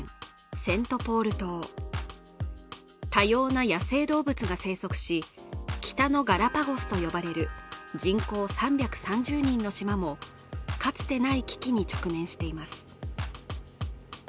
セントポール島多様な野生動物が生息し、北のガラパゴスと呼ばれる人口３３０人の島もかつてない危機に直面しています。